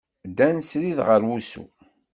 Ddan srid ɣer wusu.